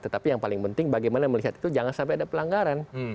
tetapi yang paling penting bagaimana melihat itu jangan sampai ada pelanggaran